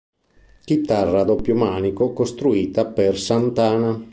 Chitarra a doppio manico costruita per Santana.